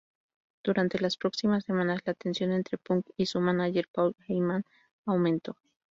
Durante las próximas semanas, la tensión entre Punk y su mánager Paul Heyman aumentó.